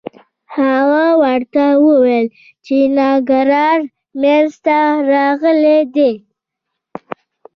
هغه ورته وویل چې ناکراری منځته راغلي دي.